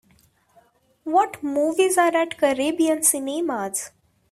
What movies are at Caribbean Cinemas